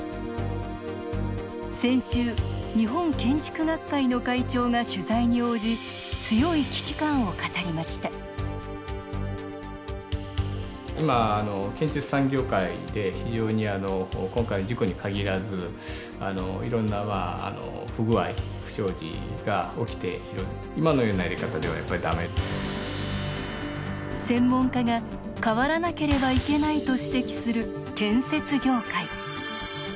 先週、日本建築学会の会長が取材に応じ強い危機感を語りました専門家が、変わらなければいけないと指摘する建設業界。